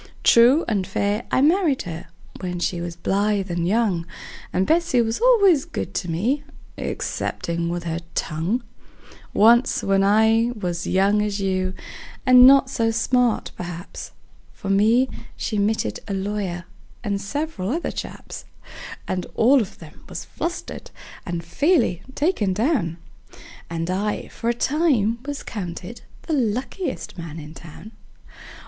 True and fair I married her, when she was blithe and young; And Betsey was al'ays good to me, exceptin' with her tongue. [ image not found: CarleFarmB 19, CarleFarmB 19 ] Once, when I was young as you, and not so smart, perhaps, For me she mittened a lawyer, and several other chaps; And all of them was flustered, and fairly taken down, And I for a time was counted the luckiest man in town.